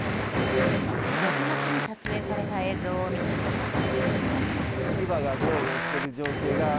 ６月に撮影された映像を見てみると。